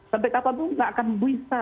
sampai kapanpun tidak akan bisa